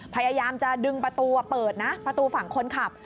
พยายามจะดึงประตูเปิดนะประตูฝั่งคนขับ